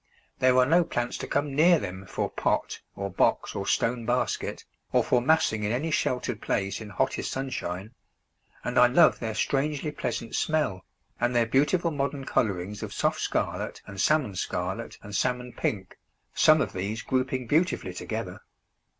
There are no plants to come near them for pot, or box, or stone basket, or for massing in any sheltered place in hottest sunshine; and I love their strangely pleasant smell, and their beautiful modern colourings of soft scarlet and salmon scarlet and salmon pink, some of these grouping beautifully together.